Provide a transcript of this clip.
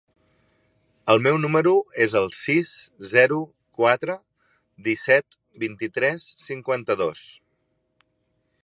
El meu número es el sis, zero, quatre, disset, vint-i-tres, cinquanta-dos.